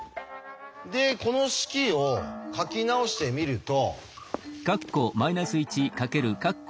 でこの式を書き直してみると。